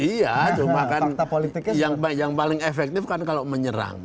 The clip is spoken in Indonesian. iya cuma kan yang paling efektif kan kalau menyerang